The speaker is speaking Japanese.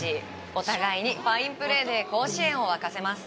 お互いにファインプレーで甲子園を沸かせます。